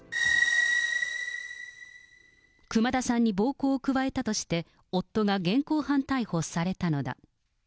熊田さんに暴行を加えたとして、夫が現行犯逮捕されたのだ。